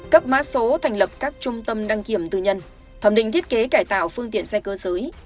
cấp mã số thành lập các trung tâm đăng kiểm tư nhân thẩm định thiết kế cải tạo phương tiện xe cơ giới